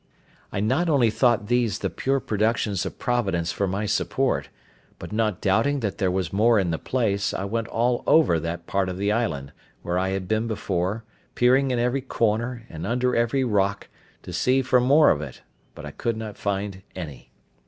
I not only thought these the pure productions of Providence for my support, but not doubting that there was more in the place, I went all over that part of the island, where I had been before, peering in every corner, and under every rock, to see for more of it, but I could not find any.